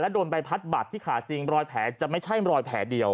โดนใบพัดบัตรที่ขาจริงรอยแผลจะไม่ใช่รอยแผลเดียว